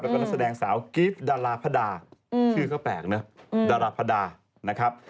แล้วก็นักแสดงสาวกิฟต์ดาราพระดาชื่อก็แปลกนะดาราพระดานะครับ